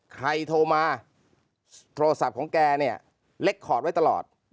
โทรมาโทรศัพท์ของแกเนี่ยเล็กคอร์ดไว้ตลอด